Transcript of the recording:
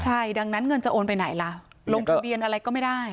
ใช่ดังนั้นเงินจะโอนไปไหนล่ะลงทะเบียนอะไรก็ไม่ได้